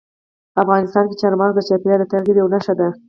افغانستان کې چار مغز د چاپېریال د تغیر یوه نښه ده.